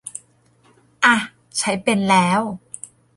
อ่ะ ใช้เป็นแล้ว